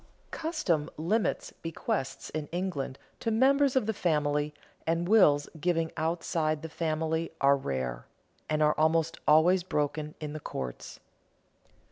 Custom limits bequests in England to members of the family, and wills giving outside the family are rare, and are almost always broken in the courts.